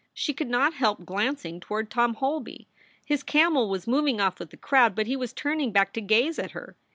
She could not help glancing toward Tom Holby. His camel was moving off with the crowd, but he was turning back to gaze at her.